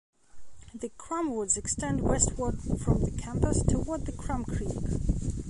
The Crum Woods extend westward from the campus, toward the Crum Creek.